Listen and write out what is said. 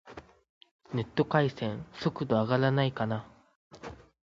ネット回線、速度上がらないかな